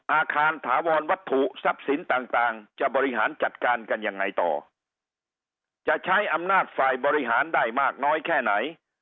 อาคารถาวรวัตถุทรัพย์สินต่างต่างจะบริหารจัดการกันยังไงต่อจะใช้อำนาจฝ่ายบริหารได้มากน้อยแค่ไหน